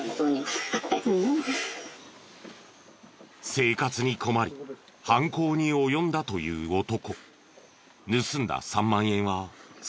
生活に困り犯行に及んだという男。